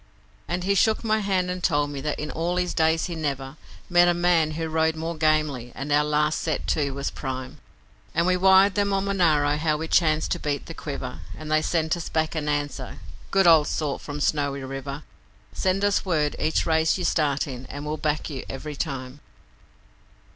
And he shook my hand and told me that in all his days he never Met a man who rode more gamely, and our last set to was prime, And we wired them on Monaro how we chanced to beat the Quiver. And they sent us back an answer, 'Good old sort from Snowy River: Send us word each race you start in and we'll back you every time.'